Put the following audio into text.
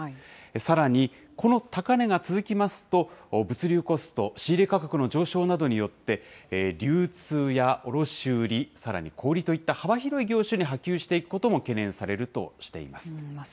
さらに、この高値が続きますと、物流コスト、仕入れ価格の上昇などによって、流通や卸売り、さらに小売りといった幅広い業種に波及していくことも懸念されるとしています。